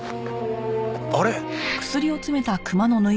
あれ。